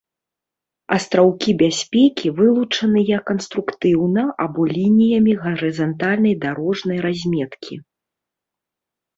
Астраўкі бяспекі, вылучаныя канструктыўна або лініямі гарызантальнай дарожнай разметкі